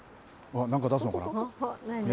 なんか出すのかな。